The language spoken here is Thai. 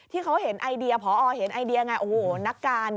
ที่เขาเห็นไอเดียพอเห็นไอเดียไงโอ้โหนักการ